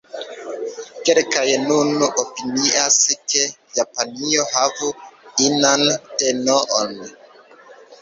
Kelkaj nun opinias, ke Japanio havu inan tenoon.